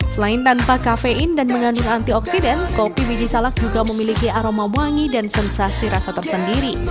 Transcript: selain tanpa kafein dan mengandung antioksidan kopi biji salak juga memiliki aroma wangi dan sensasi rasa tersendiri